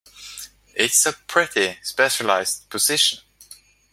It's a pretty specialized position.